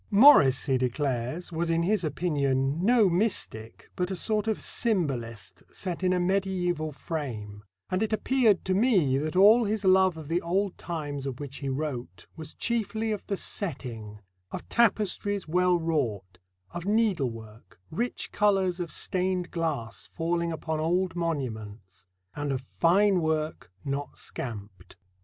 Morris he declares, was in his opinion "no mystic, but a sort of symbolist set in a medieval frame, and it appeared to me that all his love of the old times of which he wrote was chiefly of the setting; of tapestries well wrought; of needlework, rich colours of stained glass falling upon old monuments, and of fine work not scamped."